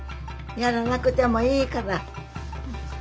やらなくてもいいから。